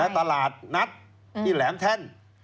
ตลาดนัดที่แหลมแท่น